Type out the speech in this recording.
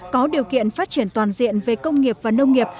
có điều kiện phát triển toàn diện về công nghiệp và nông nghiệp